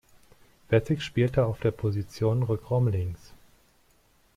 Wessig spielte auf der Position Rückraum links.